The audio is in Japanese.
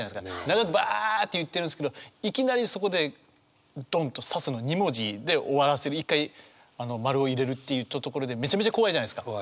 長くばあって言ってるんですけどいきなりそこでどんと「刺す」の２文字で終わらせる一回丸を入れるっていうところでめちゃめちゃ怖いじゃないですか。